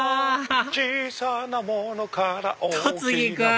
小さなものから戸次君！